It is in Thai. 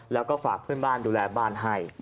แล้วก็ฝากเพื่อนบ้านดูแลบ้านให้